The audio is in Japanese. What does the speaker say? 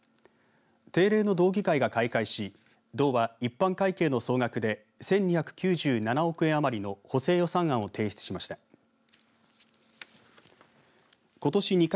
定例の道議会が開会し道は一般会計の総額で１２９７億円余りの補正予算案を提出しました。